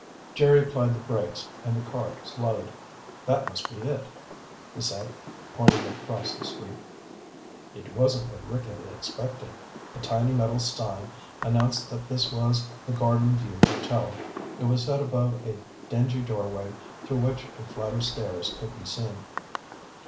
Jerry applied the brakes and the car slowed. "That must be it," he said, pointing across the street. It wasn't what Rick had expected. A tiny metal sign announced that this was the Garden View Hotel. It was set above a dingy doorway through which a flight of stairs could be seen.